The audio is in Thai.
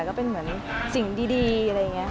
ก็เป็นเหมือนสิ่งดีอะไรอย่างนี้ค่ะ